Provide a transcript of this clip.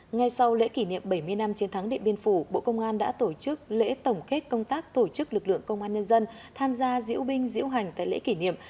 ngay sau lễ kỷ niệm bảy mươi năm chiến thắng điện biên phủ bộ công an đã tổ chức lễ tổng kết công tác tổ chức lực lượng công an nhân dân tham gia diễu binh diễu hành tại lễ kỷ niệm